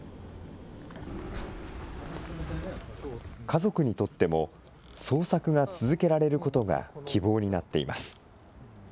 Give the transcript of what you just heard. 家族にとっても、捜索が続けられることが希望になっています。